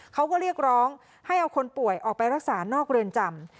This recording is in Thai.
เขาก็เรียกร้องให้เอาคนป่วยออกไปรักษานอกเรือนจำ